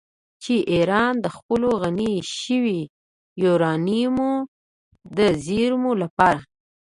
چې ایران د خپلو غني شویو یورانیمو د زیرمو لپاره